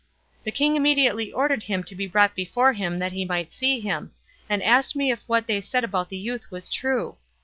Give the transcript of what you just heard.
The king immediately ordered him to be brought before him that he might see him, and asked me if what they said about the youth was true.